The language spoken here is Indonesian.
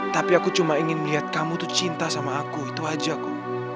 tapi aku cuma ingin melihat kamu tuh cinta sama aku itu aja bu